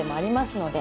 ので